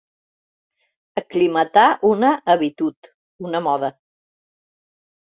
Aclimatar una habitud, una moda.